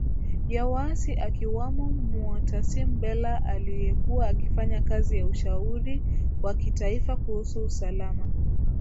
ya waasi akiwamo Muotasim Bellah aliyekuwa akifanya kazi ya ushauri wa kitaifa kuhusu usalama